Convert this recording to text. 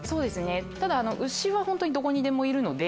ただ牛は本当にどこにでもいるので。